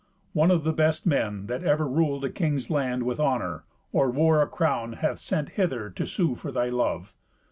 One of the best men that ever ruled a king's land with honour, or wore a crown, hath sent hither to sue for thy love.